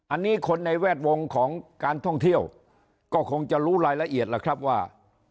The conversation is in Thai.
อันนี้คนในแวดวงของการท่องเที่ยวก็คงจะรู้รายละเอียดล่ะครับว่า